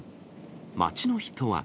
街の人は。